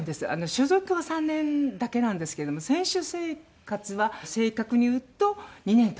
所属は３年だけなんですけれども選手生活は正確に言うと２年と８カ月だけなんですね。